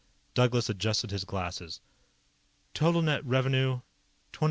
Douglas adjusted his glasses. "Total net revenue, $26,876,924.